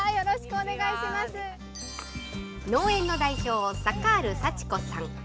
農園の代表、サカール祥子さん。